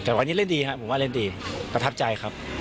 แต่วันนี้เล่นดีครับผมว่าเล่นดีประทับใจครับ